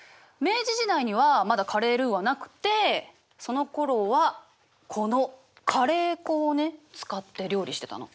明治時代にはまだカレールーはなくてそのころはこのカレー粉をね使って料理してたの。